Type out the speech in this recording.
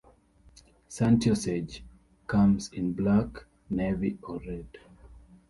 Santiossage comes in black, navy, or red.